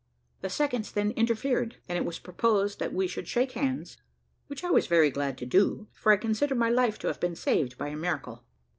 The seconds then interfered, and it was proposed that we should shake hands, which I was very glad to do, for I considered my life to have been saved by a miracle.